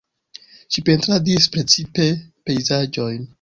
Ŝi pentradis precipe pejzaĝojn.